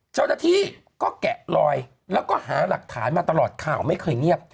เจ้าหน้าที่ก็แกะลอยแล้วก็หาหลักฐานมาตลอดข่าวไม่เคยเงียบ